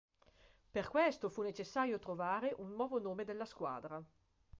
Per questo fu necessario trovare un nuovo nome alla squadra.